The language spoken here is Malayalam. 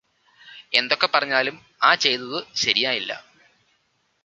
എന്തൊക്കെ പറഞ്ഞാലും ആ ചെയ്തത് ശരിയായില്ല.